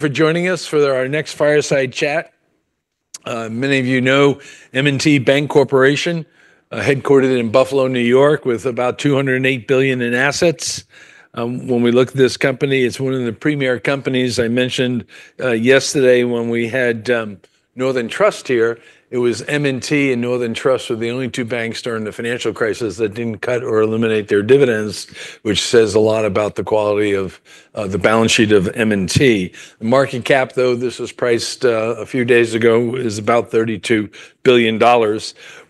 For joining us for our next fireside chat. Many of you know M&T Bank Corporation, headquartered in Buffalo, New York, with about $208 billion in assets. When we look at this company, it's one of the premier companies I mentioned yesterday when we had Northern Trust here. It was M&T and Northern Trust were the only two banks during the financial crisis that didn't cut or eliminate their dividends, which says a lot about the quality of the balance sheet of M&T. The market cap, though, this was priced a few days ago, is about $32 billion.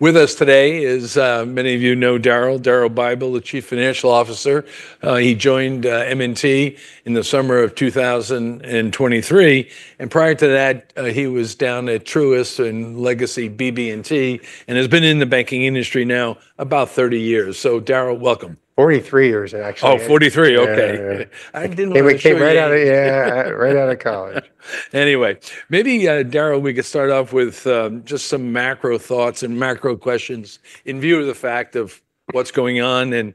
With us today is, many of you know Daryl, Daryl Bible, the Chief Financial Officer. He joined M&T in the summer of 2023. Prior to that, he was down at Truist and Legacy BB&T and has been in the banking industry now about 30 years. So, Daryl, welcome. 43 years, actually. Oh, 43. Okay. I didn't know. We came right out of, yeah, right out of college. Anyway, maybe, Daryl, we could start off with just some macro thoughts and macro questions in view of the fact of what's going on. And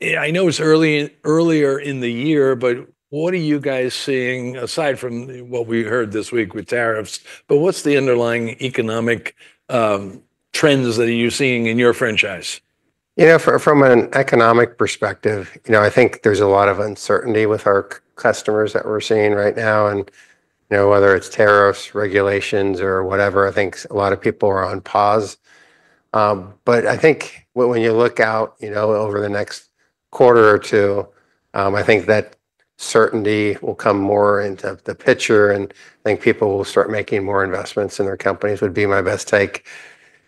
I know it's earlier in the year, but what are you guys seeing, aside from what we heard this week with tariffs, but what's the underlying economic trends that you're seeing in your franchise? Yeah, from an economic perspective, you know, I think there's a lot of uncertainty with our customers that we're seeing right now, and whether it's tariffs, regulations, or whatever, I think a lot of people are on pause, but I think when you look out, you know, over the next quarter or two, I think that certainty will come more into the picture, and I think people will start making more investments in their companies would be my best take.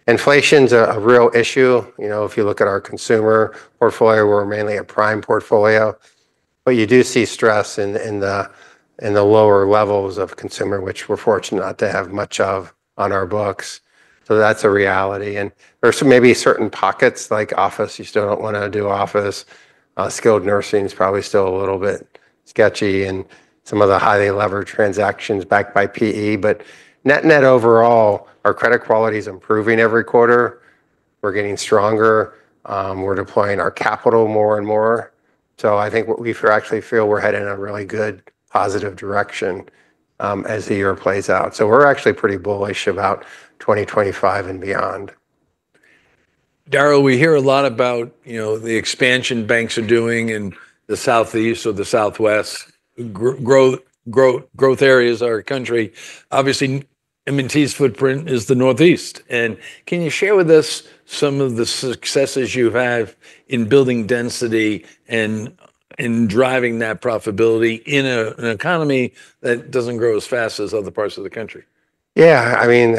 Inflation's a real issue. You know, if you look at our consumer portfolio, we're mainly a prime portfolio, but you do see stress in the lower levels of consumer, which we're fortunate not to have much of on our books. So that's a reality, and there's maybe certain pockets like office. You still don't want to do office. Skilled nursing is probably still a little bit sketchy and some of the highly leveraged transactions backed by PE. But net-net overall, our credit quality is improving every quarter. We're getting stronger. We're deploying our capital more and more. So I think we actually feel we're heading in a really good, positive direction as the year plays out. So we're actually pretty bullish about 2025 and beyond. Daryl, we hear a lot about, you know, the expansion banks are doing in the Southeast or the Southwest, growth areas of our country. Obviously, M&T's footprint is the Northeast. And can you share with us some of the successes you have in building density and driving that profitability in an economy that doesn't grow as fast as other parts of the country? Yeah, I mean,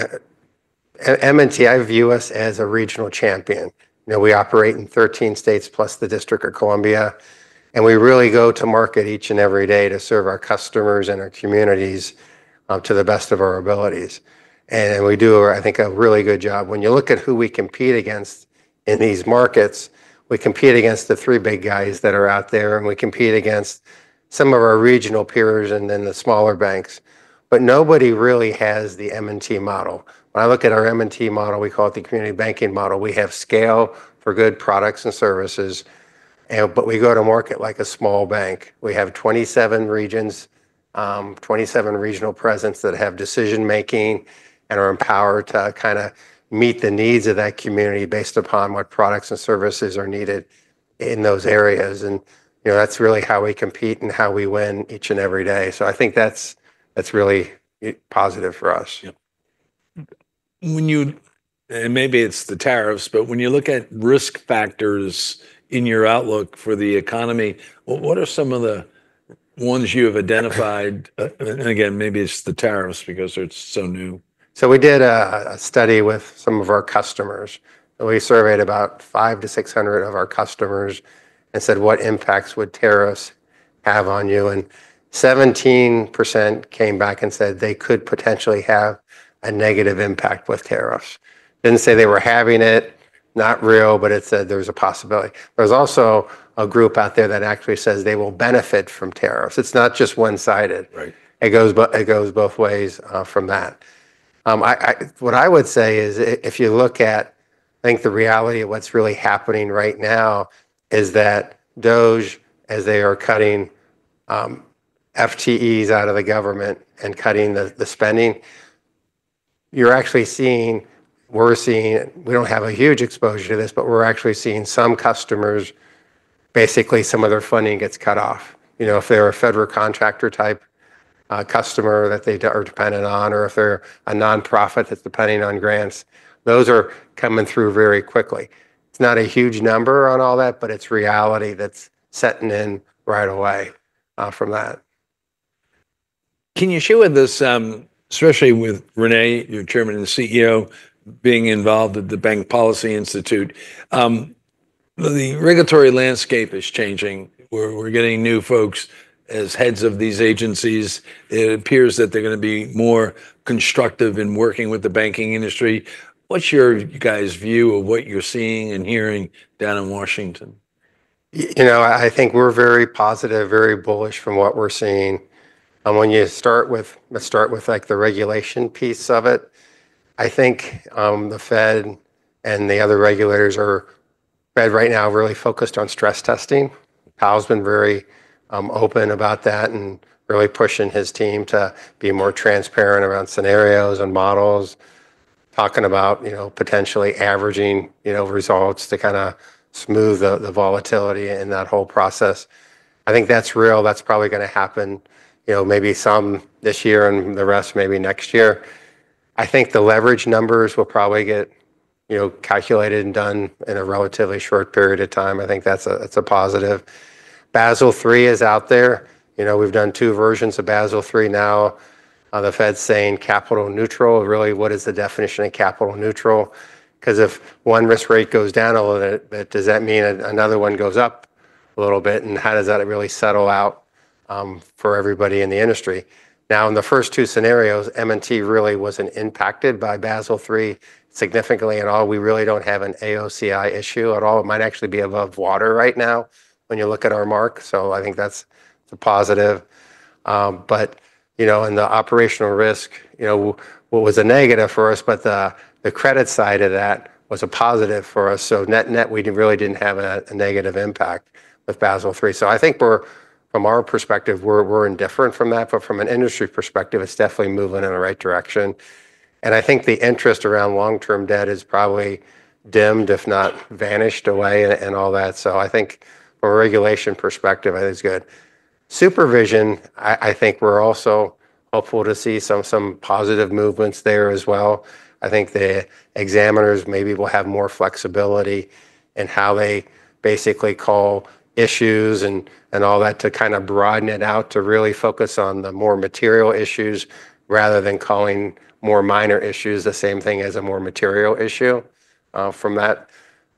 M&T, I view us as a regional champion. You know, we operate in 13 states plus the District of Columbia. And we really go to market each and every day to serve our customers and our communities to the best of our abilities. And we do, I think, a really good job. When you look at who we compete against in these markets, we compete against the three big guys that are out there. And we compete against some of our regional peers and then the smaller banks. But nobody really has the M&T model. When I look at our M&T model, we call it the community banking model. We have scale for good products and services. But we go to market like a small bank. We have 27 regions, 27 regional presence that have decision-making and are empowered to kind of meet the needs of that community based upon what products and services are needed in those areas, and, you know, that's really how we compete and how we win each and every day, so I think that's really positive for us. When you, and maybe it's the tariffs, but when you look at risk factors in your outlook for the economy, what are some of the ones you have identified? And again, maybe it's the tariffs because it's so new. We did a study with some of our customers. We surveyed about 500-600 of our customers and said, what impacts would tariffs have on you? 17% came back and said they could potentially have a negative impact with tariffs. Didn't say they were having it, not real, but it said there's a possibility. There's also a group out there that actually says they will benefit from tariffs. It's not just one-sided. It goes both ways from that. What I would say is, if you look at, I think the reality of what's really happening right now is that DOGE, as they are cutting FTEs out of the government and cutting the spending, you're actually seeing, we're seeing, we don't have a huge exposure to this, but we're actually seeing some customers, basically some of their funding gets cut off. You know, if they're a federal contractor type customer that they are dependent on, or if they're a nonprofit that's depending on grants, those are coming through very quickly. It's not a huge number on all that, but it's reality that's setting in right away from that. Can you share with us, especially with René, your Chairman and CEO, being involved at the Bank Policy Institute, the regulatory landscape is changing. We're getting new folks as heads of these agencies. It appears that they're going to be more constructive in working with the banking industry. What's your guys' view of what you're seeing and hearing down in Washington? You know, I think we're very positive, very bullish from what we're seeing. When you start with like the regulation piece of it, I think the Fed and the other regulators are right now really focused on stress testing. Powell's been very open about that and really pushing his team to be more transparent around scenarios and models, talking about, you know, potentially averaging, you know, results to kind of smooth the volatility in that whole process. I think that's real. That's probably going to happen, you know, maybe some this year and the rest maybe next year. I think the leverage numbers will probably get, you know, calculated and done in a relatively short period of time. I think that's a positive. Basel III is out there. You know, we've done two versions of Basel III now. The Fed's saying capital neutral. Really, what is the definition of capital neutral? Because if one risk rate goes down a little bit, does that mean another one goes up a little bit? And how does that really settle out for everybody in the industry? Now, in the first two scenarios, M&T really wasn't impacted by Basel III significantly at all. We really don't have an AOCI issue at all. It might actually be above water right now when you look at our mark. So I think that's a positive. But, you know, in the operational risk, you know, what was a negative for us, but the credit side of that was a positive for us. So net-net, we really didn't have a negative impact with Basel III. So I think from our perspective, we're indifferent from that. But from an industry perspective, it's definitely moving in the right direction. I think the interest around long-term debt is probably dimmed, if not vanished away and all that. I think from a regulation perspective, it is good. In supervision, I think we're also hopeful to see some positive movements there as well. I think the examiners maybe will have more flexibility in how they basically call issues and all that to kind of broaden it out to really focus on the more material issues rather than calling more minor issues the same thing as a more material issue. From that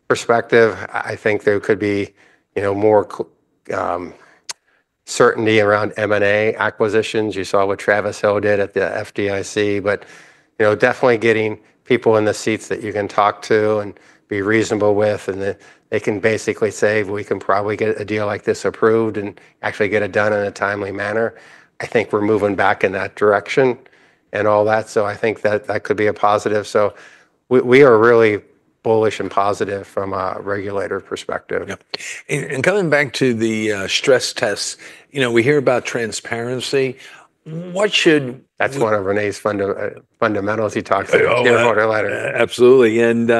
perspective, I think there could be, you know, more certainty around M&A acquisitions. You saw what Travis Hill did at the FDIC, but, you know, definitely getting people in the seats that you can talk to and be reasonable with. And they can basically say, we can probably get a deal like this approved and actually get it done in a timely manner. I think we're moving back in that direction and all that. So I think that could be a positive. So we are really bullish and positive from a regulator perspective. And coming back to the stress tests, you know, we hear about transparency. What should? That's one of René's fundamentals. He talks about it in a letter. Absolutely. And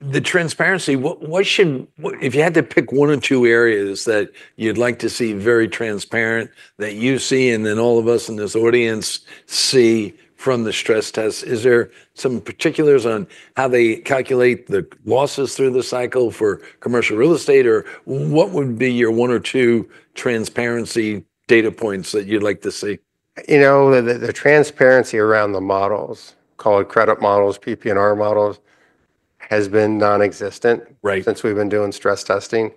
the transparency, what should, if you had to pick one or two areas that you'd like to see very transparent that you see and then all of us in this audience see from the stress tests, is there some particulars on how they calculate the losses through the cycle for commercial real estate? Or what would be your one or two transparency data points that you'd like to see? You know, the transparency around the models, call it credit models, PP&R models, has been non-existent since we've been doing stress testing.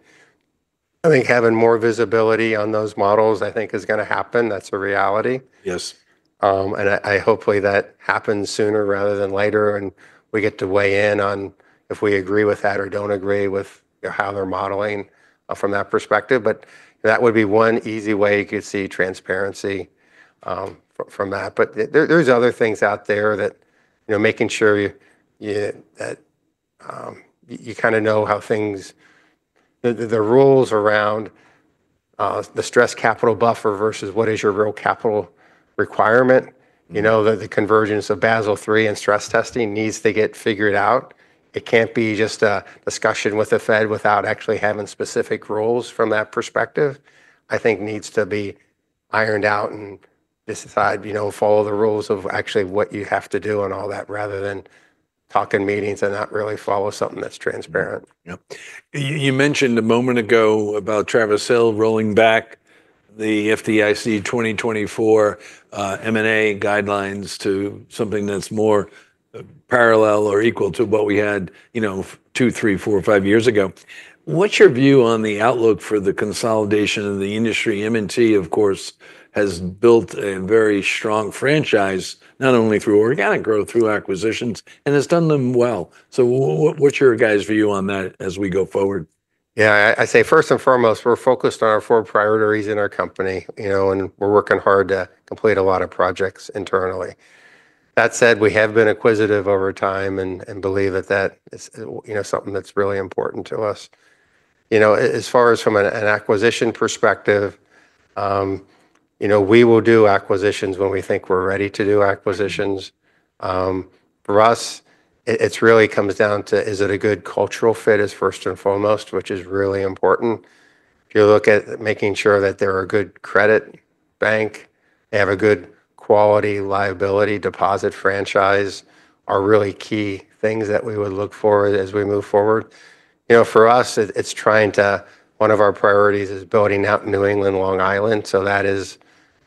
I think having more visibility on those models, I think, is going to happen. That's a reality. Yes. And I hopefully that happens sooner rather than later. And we get to weigh in on if we agree with that or don't agree with how they're modeling from that perspective. But that would be one easy way you could see transparency from that. But there's other things out there that, you know, making sure that you kind of know how things, the rules around the Stress Capital Buffer versus what is your real capital requirement. You know, the convergence of Basel III and stress testing needs to get figured out. It can't be just a discussion with the Fed without actually having specific rules from that perspective. I think needs to be ironed out and decide, you know, follow the rules of actually what you have to do and all that rather than talk in meetings and not really follow something that's transparent. Yep. You mentioned a moment ago about Travis Hill rolling back the FDIC 2024 M&A guidelines to something that's more parallel or equal to what we had, you know, two, three, four, five years ago. What's your view on the outlook for the consolidation of the industry? M&T, of course, has built a very strong franchise, not only through organic growth, through acquisitions, and has done them well. So what's your guys' view on that as we go forward? Yeah, I say first and foremost, we're focused on our four priorities in our company, you know, and we're working hard to complete a lot of projects internally. That said, we have been acquisitive over time and believe that that is, you know, something that's really important to us. You know, as far as from an acquisition perspective, you know, we will do acquisitions when we think we're ready to do acquisitions. For us, it really comes down to, is it a good cultural fit is first and foremost, which is really important. If you look at making sure that they're a good credit bank, they have a good quality liability deposit franchise are really key things that we would look for as we move forward. You know, for us, it's trying to, one of our priorities is building out New England, Long Island. So that is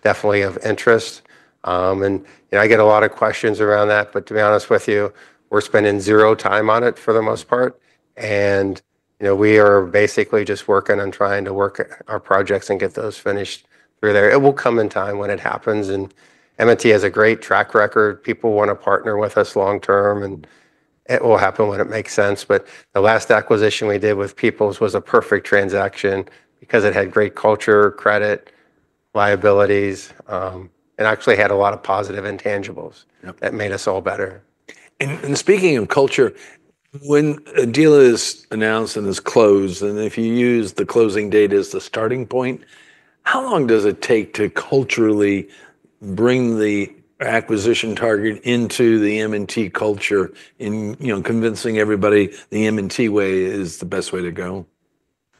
definitely of interest. And, you know, I get a lot of questions around that, but to be honest with you, we're spending zero time on it for the most part. And, you know, we are basically just working on trying to work our projects and get those finished through there. It will come in time when it happens. And M&T has a great track record. People want to partner with us long-term, and it will happen when it makes sense. But the last acquisition we did with People's was a perfect transaction because it had great culture, credit, liabilities, and actually had a lot of positive intangibles that made us all better. Speaking of culture, when a deal is announced and is closed, and if you use the closing date as the starting point, how long does it take to culturally bring the acquisition target into the M&T culture in, you know, convincing everybody the M&T way is the best way to go?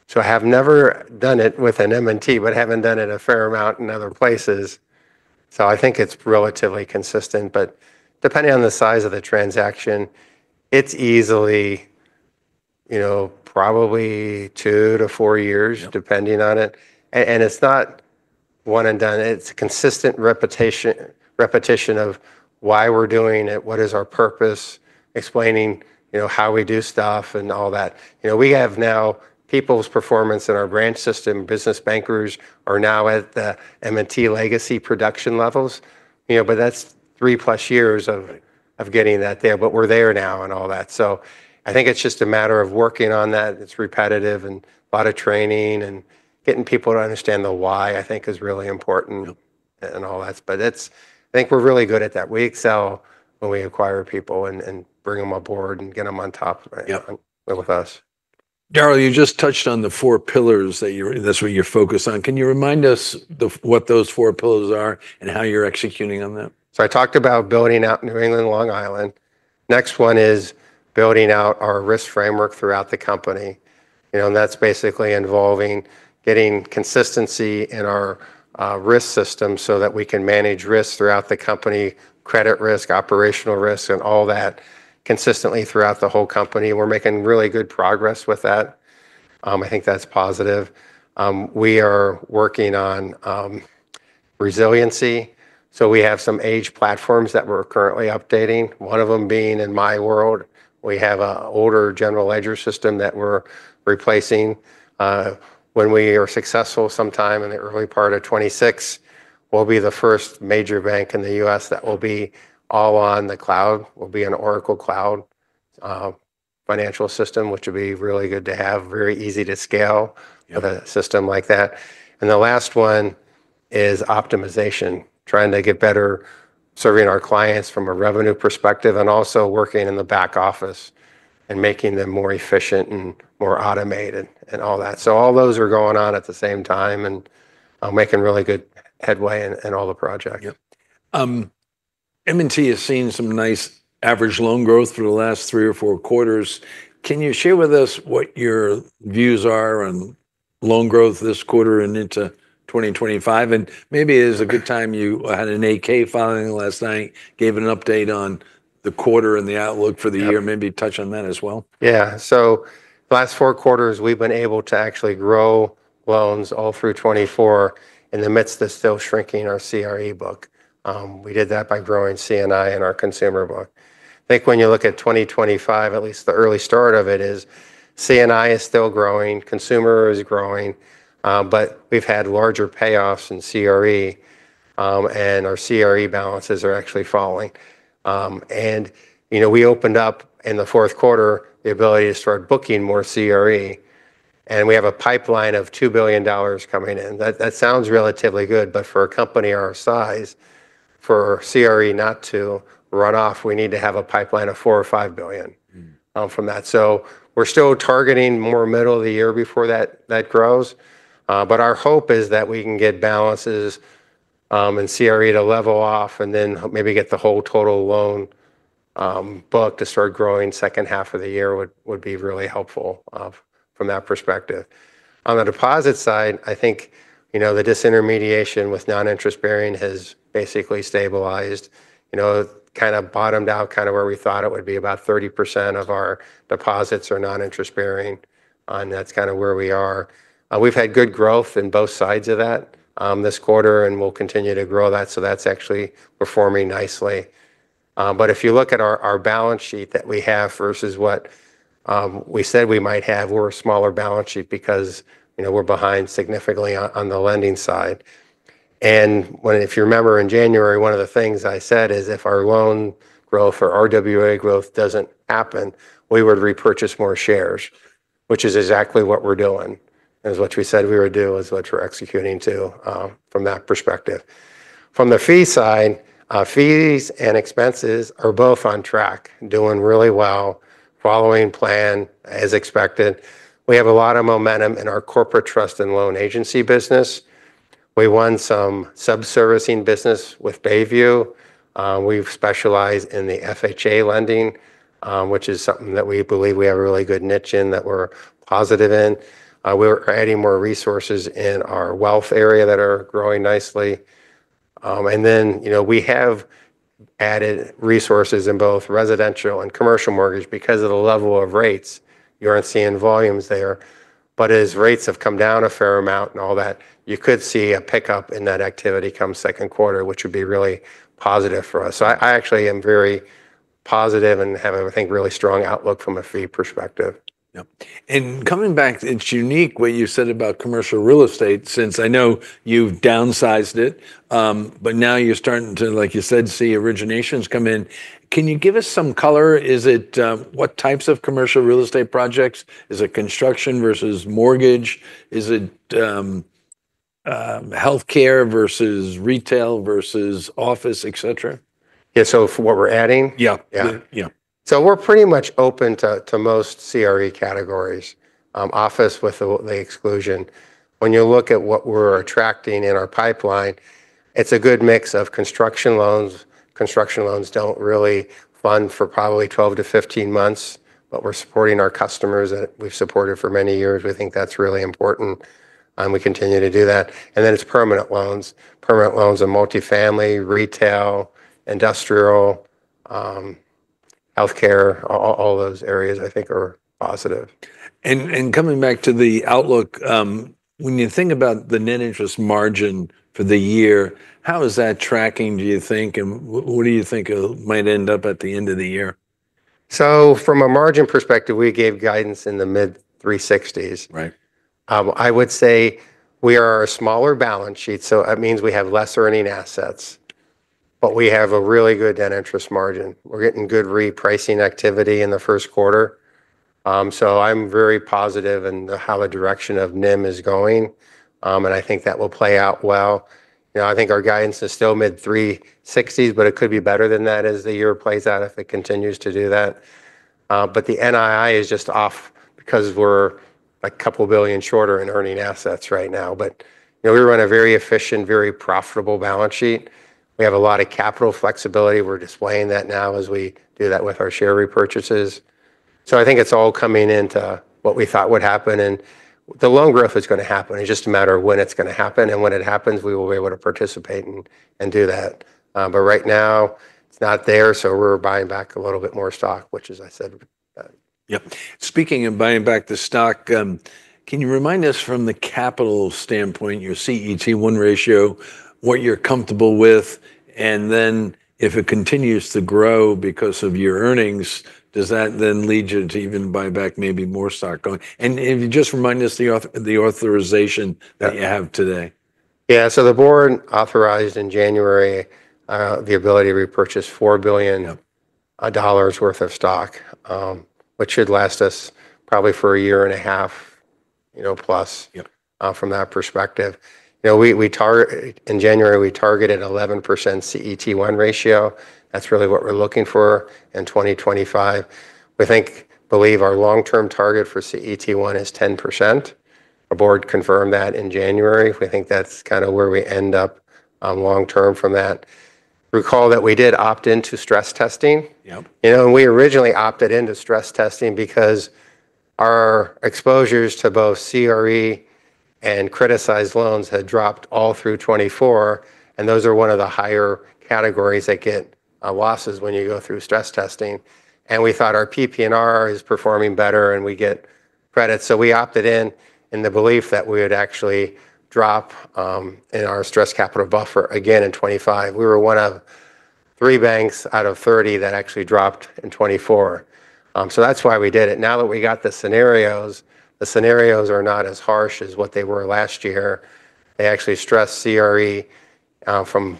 So I have never done it with an M&T, but haven't done it a fair amount in other places. So I think it's relatively consistent. But depending on the size of the transaction, it's easily, you know, probably two to four years depending on it. And it's not one and done. It's a consistent repetition of why we're doing it, what is our purpose, explaining, you know, how we do stuff and all that. You know, we have now People's performance in our branch system. Business bankers are now at the M&T legacy production levels. You know, but that's three plus years of getting that there. But we're there now and all that. So I think it's just a matter of working on that. It's repetitive and a lot of training and getting people to understand the why, I think, is really important and all that. But it's, I think, we're really good at that. We excel when we acquire people and bring them on board and get them on top with us. Daryl, you just touched on the four pillars that you're, that's what you're focused on. Can you remind us what those four pillars are and how you're executing on them? I talked about building out New England, Long Island. Next one is building out our risk framework throughout the company. You know, and that's basically involving getting consistency in our risk system so that we can manage risk throughout the company, credit risk, operational risk, and all that consistently throughout the whole company. We're making really good progress with that. I think that's positive. We are working on resiliency. So we have some aged platforms that we're currently updating, one of them being in my world. We have an older general ledger system that we're replacing. When we are successful sometime in the early part of 2026, we'll be the first major bank in the U.S. that will be all on the cloud. We'll be an Oracle Cloud financial system, which would be really good to have, very easy to scale with a system like that. And the last one is optimization, trying to get better serving our clients from a revenue perspective and also working in the back office and making them more efficient and more automated and all that. So all those are going on at the same time and making really good headway in all the projects. M&T has seen some nice average loan growth for the last three or four quarters. Can you share with us what your views are on loan growth this quarter and into 2025? And maybe it is a good time you had an 8-K filing last night, gave an update on the quarter and the outlook for the year. Maybe touch on that as well. Yeah. So the last four quarters, we've been able to actually grow loans all through 2024 in the midst of still shrinking our CRE book. We did that by growing C&I and our consumer book. I think when you look at 2025, at least the early start of it is C&I is still growing, consumer is growing, but we've had larger payoffs in CRE and our CRE balances are actually falling. And, you know, we opened up in the fourth quarter the ability to start booking more CRE and we have a pipeline of $2 billion coming in. That sounds relatively good, but for a company our size, for CRE not to run off, we need to have a pipeline of $4 billion-$5 billion from that. So we're still targeting more middle of the year before that grows. But our hope is that we can get balances and CRE to level off and then maybe get the whole total loan book to start growing second half of the year. That would be really helpful from that perspective. On the deposit side, I think, you know, the disintermediation with non-interest bearing has basically stabilized. You know, kind of bottomed out kind of where we thought it would be. About 30% of our deposits are non-interest bearing. And that's kind of where we are. We've had good growth in both sides of that this quarter and we'll continue to grow that. So that's actually performing nicely. But if you look at our balance sheet that we have versus what we said we might have, we're a smaller balance sheet because, you know, we're behind significantly on the lending side. If you remember in January, one of the things I said is if our loan growth or RWA growth doesn't happen, we would repurchase more shares, which is exactly what we're doing. It's what we said we would do is what we're executing too from that perspective. From the fee side, fees and expenses are both on track, doing really well, following plan as expected. We have a lot of momentum in our corporate trust and loan agency business. We won some sub-servicing business with Bayview. We've specialized in the FHA lending, which is something that we believe we have a really good niche in that we're positive in. We're adding more resources in our wealth area that are growing nicely. You know, we have added resources in both residential and commercial mortgage because of the level of rates. You aren't seeing volumes there. But as rates have come down a fair amount and all that, you could see a pickup in that activity come second quarter, which would be really positive for us. So I actually am very positive and have a, I think, really strong outlook from a fee perspective. Yep. And coming back, it's unique what you said about commercial real estate since I know you've downsized it, but now you're starting to, like you said, see originations come in. Can you give us some color? Is it what types of commercial real estate projects? Is it construction versus mortgage? Is it healthcare versus retail versus office, et cetera? Yeah, so for what we're adding? Yeah. Yeah. So we're pretty much open to most CRE categories, office with the exclusion. When you look at what we're attracting in our pipeline, it's a good mix of construction loans. Construction loans don't really fund for probably 12 to 15 months, but we're supporting our customers that we've supported for many years. We think that's really important. We continue to do that. And then it's permanent loans. Permanent loans are multifamily, retail, industrial, healthcare. All those areas I think are positive. And coming back to the outlook, when you think about the net interest margin for the year, how is that tracking, do you think? And what do you think might end up at the end of the year? So from a margin perspective, we gave guidance in the mid-360s. Right. I would say we are a smaller balance sheet, so that means we have less earning assets, but we have a really good net interest margin. We're getting good repricing activity in the first quarter, so I'm very positive in how the direction of NIM is going, and I think that will play out well. You know, I think our guidance is still mid-360s, but it could be better than that as the year plays out if it continues to do that, but the NII is just off because we're $2 billion shorter in earning assets right now, but, you know, we run a very efficient, very profitable balance sheet. We have a lot of capital flexibility. We're displaying that now as we do that with our share repurchases, so I think it's all coming into what we thought would happen, and the loan growth is going to happen. It's just a matter of when it's going to happen. And when it happens, we will be able to participate and do that. But right now, it's not there. So we're buying back a little bit more stock, which, as I said. Yep. Speaking of buying back the stock, can you remind us from the capital standpoint, your CET1 ratio, what you're comfortable with? And then if it continues to grow because of your earnings, does that then lead you to even buy back maybe more stock? And just remind us the authorization that you have today. Yeah. So the board authorized in January the ability to repurchase $4 billion worth of stock, which should last us probably for a year and a half, you know, plus from that perspective. You know, we target in January, we targeted 11% CET1 ratio. That's really what we're looking for in 2025. We think, believe our long-term target for CET1 is 10%. Our board confirmed that in January. We think that's kind of where we end up long-term from that. Recall that we did opt into stress testing. Yep. You know, and we originally opted into stress testing because our exposures to both CRE and criticized loans had dropped all through 2024, and those are one of the higher categories that get losses when you go through stress testing, and we thought our PP&R is performing better and we get credit, so we opted in in the belief that we would actually drop in our stress capital buffer again in 2025. We were one of three banks out of 30 that actually dropped in 2024, so that's why we did it. Now that we got the scenarios, the scenarios are not as harsh as what they were last year. They actually stress CRE from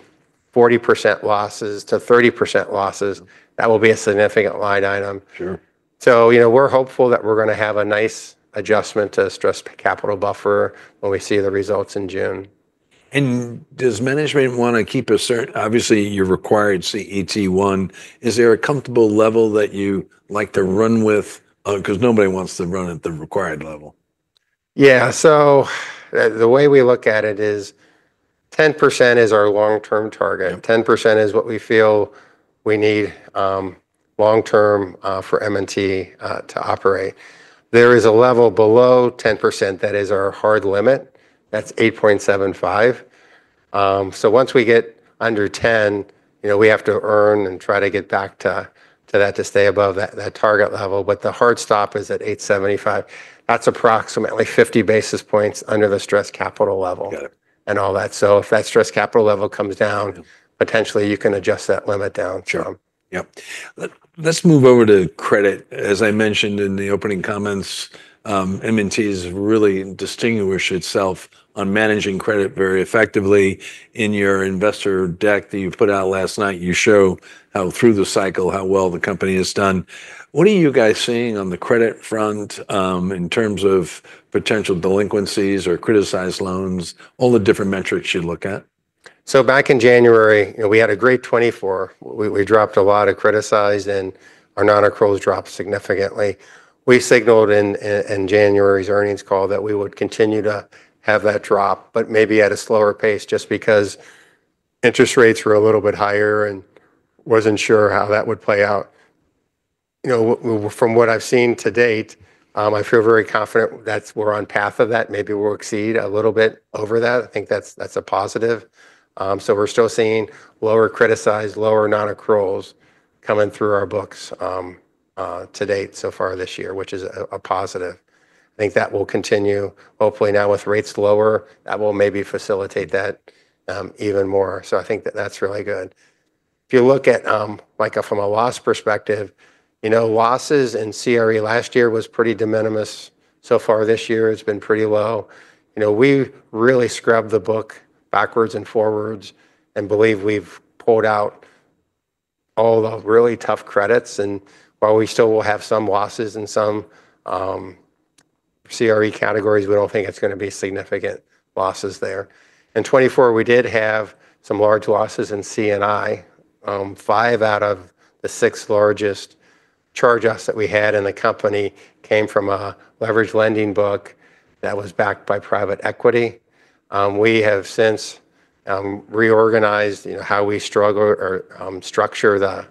40% losses to 30% losses. That will be a significant line item. Sure. So, you know, we're hopeful that we're going to have a nice adjustment to Stress Capital Buffer when we see the results in June. Does management want to keep a certain, obviously you're required CET1? Is there a comfortable level that you like to run with? Because nobody wants to run at the required level. Yeah. So the way we look at it is 10% is our long-term target. 10% is what we feel we need long-term for M&T to operate. There is a level below 10% that is our hard limit. That's 8.75. So once we get under 10, you know, we have to earn and try to get back to that to stay above that target level. But the hard stop is at 8.75. That's approximately 50 basis points under the stress capital level and all that. So if that stress capital level comes down, potentially you can adjust that limit down. Sure. Yep. Let's move over to credit. As I mentioned in the opening comments, M&T has really distinguished itself on managing credit very effectively. In your investor deck that you put out last night, you show how through the cycle, how well the company has done. What are you guys seeing on the credit front in terms of potential delinquencies or criticized loans, all the different metrics you look at? So back in January, you know, we had a great 2024. We dropped a lot of criticized and our non-accruals dropped significantly. We signaled in January's earnings call that we would continue to have that drop, but maybe at a slower pace just because interest rates were a little bit higher and wasn't sure how that would play out. You know, from what I've seen to date, I feel very confident that we're on path of that. Maybe we'll exceed a little bit over that. I think that's a positive. So we're still seeing lower criticized, lower non-accruals coming through our books to date so far this year, which is a positive. I think that will continue. Hopefully now with rates lower, that will maybe facilitate that even more. So I think that that's really good. If you look at, like from a loss perspective, you know, losses in CRE last year was pretty de minimis. So far this year, it's been pretty low. You know, we really scrubbed the book backwards and forwards and believe we've pulled out all the really tough credits. And while we still will have some losses in some CRE categories, we don't think it's going to be significant losses there. In 2024, we did have some large losses in C&I. Five out of the six largest charge-offs that we had in the company came from a leveraged lending book that was backed by private equity. We have since reorganized, you know, how we structure the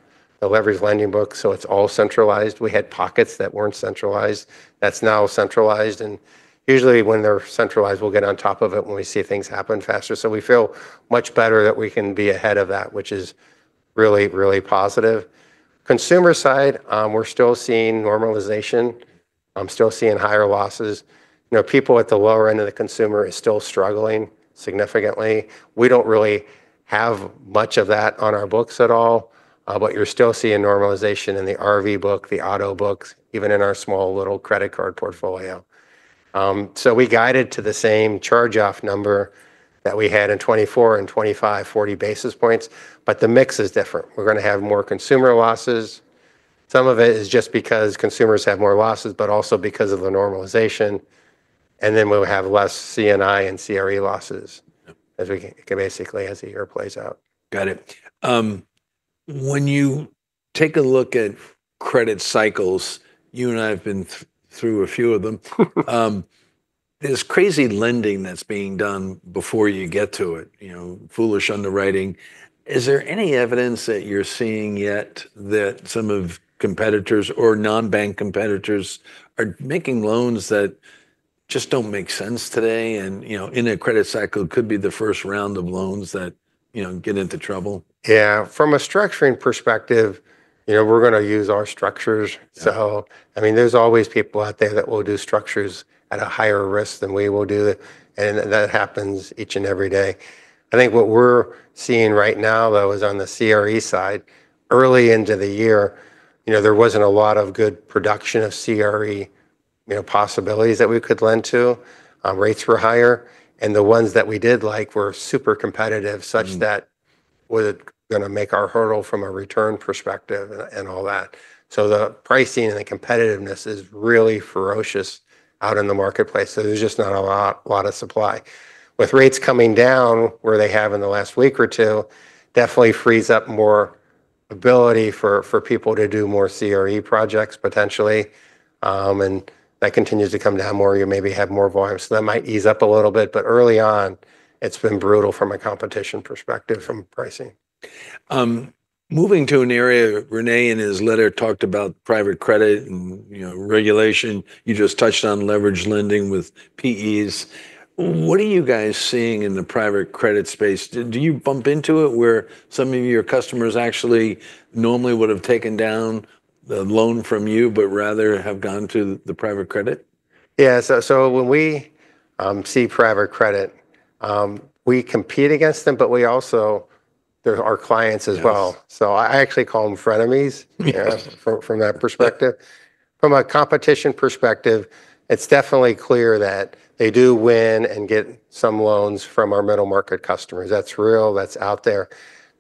leveraged lending book. So it's all centralized. We had pockets that weren't centralized. That's now centralized. And usually when they're centralized, we'll get on top of it when we see things happen faster. So we feel much better that we can be ahead of that, which is really, really positive. Consumer side, we're still seeing normalization. I'm still seeing higher losses. You know, people at the lower end of the consumer are still struggling significantly. We don't really have much of that on our books at all, but you're still seeing normalization in the RV book, the auto books, even in our small little credit card portfolio. So we guided to the same charge-off number that we had in 2024 and 2025, 40 basis points, but the mix is different. We're going to have more consumer losses. Some of it is just because consumers have more losses, but also because of the normalization. And then we'll have less C&I and CRE losses as we can basically as the year plays out. Got it. When you take a look at credit cycles, you and I have been through a few of them, there's crazy lending that's being done before you get to it, you know, foolish underwriting. Is there any evidence that you're seeing yet that some of competitors or non-bank competitors are making loans that just don't make sense today? And, you know, in a credit cycle, it could be the first round of loans that, you know, get into trouble. Yeah. From a structuring perspective, you know, we're going to use our structures. So, I mean, there's always people out there that will do structures at a higher risk than we will do. And that happens each and every day. I think what we're seeing right now, though, is on the CRE side, early into the year, you know, there wasn't a lot of good production of CRE, you know, possibilities that we could lend to. Rates were higher. And the ones that we did like were super competitive such that it was going to make our hurdle from a return perspective and all that. So the pricing and the competitiveness is really ferocious out in the marketplace. So there's just not a lot of supply. With rates coming down where they have in the last week or two, that definitely frees up more ability for people to do more CRE projects potentially. That continues to come down more. You maybe have more volume. That might ease up a little bit. Early on, it's been brutal from a competition perspective from pricing. Moving to an area, René in his letter talked about private credit and, you know, regulation. You just touched on leveraged lending with PEs. What are you guys seeing in the private credit space? Do you bump into it where some of your customers actually normally would have taken down the loan from you, but rather have gone to the private credit? Yeah. So when we see private credit, we compete against them, but we also, there's our clients as well. So I actually call them frenemies from that perspective. From a competition perspective, it's definitely clear that they do win and get some loans from our middle market customers. That's real. That's out there.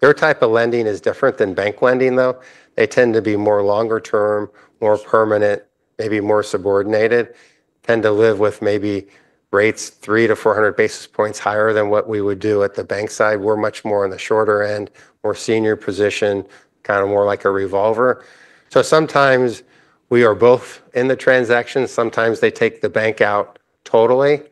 Their type of lending is different than bank lending, though. They tend to be more longer term, more permanent, maybe more subordinated. Tend to live with maybe rates 300-400 basis points higher than what we would do at the bank side. We're much more on the shorter end, more senior position, kind of more like a revolver. So sometimes we are both in the transaction. Sometimes they take the bank out totally.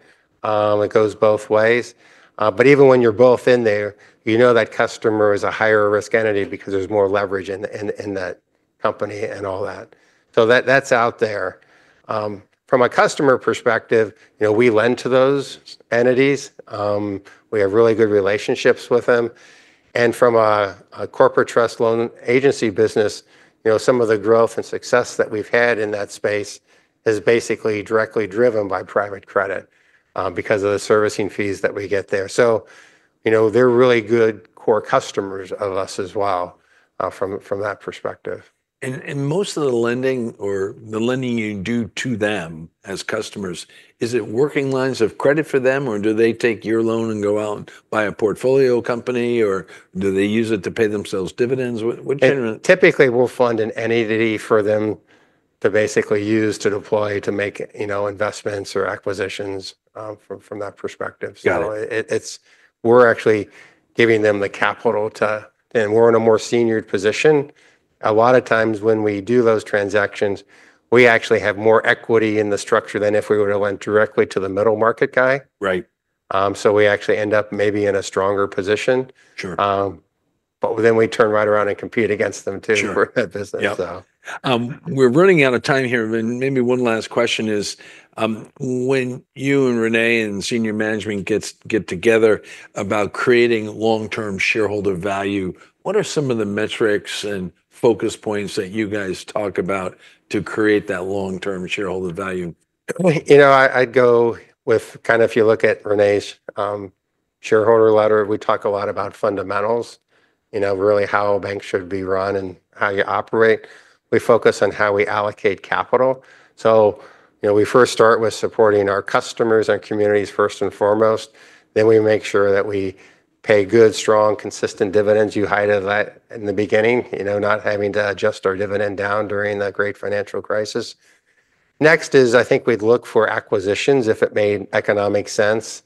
It goes both ways. But even when you're both in there, you know that customer is a higher risk entity because there's more leverage in that company and all that. So that's out there. From a customer perspective, you know, we lend to those entities. We have really good relationships with them. And from a corporate trust loan agency business, you know, some of the growth and success that we've had in that space is basically directly driven by private credit because of the servicing fees that we get there. So, you know, they're really good core customers of us as well from that perspective. Most of the lending or the lending you do to them as customers, is it working lines of credit for them or do they take your loan and go out and buy a portfolio company or do they use it to pay themselves dividends? What genera? Typically, we'll fund an entity for them to basically use to deploy to make, you know, investments or acquisitions from that perspective. So it's, we're actually giving them the capital to. And we're in a more senior position. A lot of times when we do those transactions, we actually have more equity in the structure than if we were to lend directly to the middle market guy. Right. So we actually end up maybe in a stronger position. Sure. But then we turn right around and compete against them too for that business. Sure. We're running out of time here. Maybe one last question is when you and René and senior management get together about creating long-term shareholder value, what are some of the metrics and focus points that you guys talk about to create that long-term shareholder value? You know, I go with kind of, if you look at René's shareholder letter, we talk a lot about fundamentals, you know, really how a bank should be run and how you operate. We focus on how we allocate capital. So, you know, we first start with supporting our customers and communities first and foremost. Then we make sure that we pay good, strong, consistent dividends. We highlighted that in the beginning, you know, not having to adjust our dividend down during the great financial crisis. Next, I think we'd look for acquisitions if it made economic sense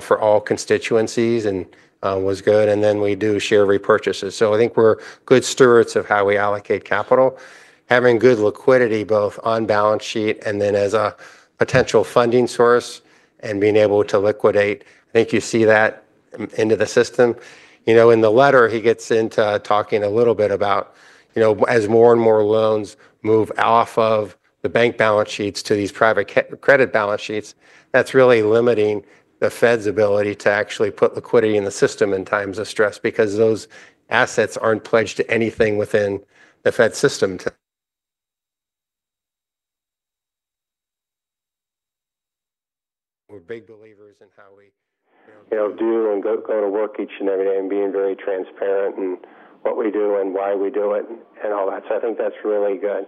for all constituencies and was good. And then we do share repurchases. So I think we're good stewards of how we allocate capital, having good liquidity both on balance sheet and then as a potential funding source and being able to liquidate. I think you see that in the system. You know, in the letter, he gets into talking a little bit about, you know, as more and more loans move off of the bank balance sheets to these private credit balance sheets, that's really limiting the Fed's ability to actually put liquidity in the system in times of stress because those assets aren't pledged to anything within the Fed system. We're big believers in how we. You know, do and go to work each and every day and being very transparent in what we do and why we do it and all that. So I think that's really good.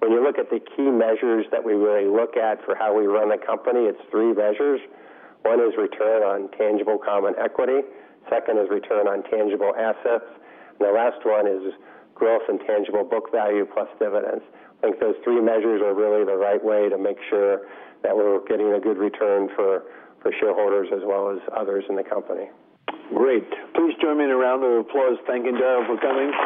When you look at the key measures that we really look at for how we run a company, it's three measures. One is return on tangible common equity. Second is return on tangible assets. And the last one is growth and tangible book value plus dividends. I think those three measures are really the right way to make sure that we're getting a good return for shareholders as well as others in the company. Great. Please join me in a round of applause. Thank you, Daryl, for coming.